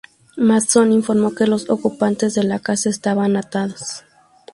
Manson informó que los ocupantes de la casa estaban atados.